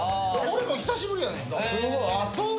俺も久しぶりやねん。